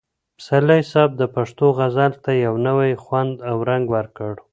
پسرلي صاحب د پښتو غزل ته یو نوی خوند او رنګ ورکړ.